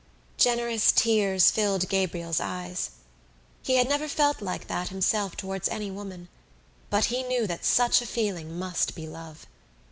Generous tears filled Gabriel's eyes. He had never felt like that himself towards any woman but he knew that such a feeling must be love.